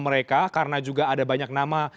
mereka karena juga ada banyak nama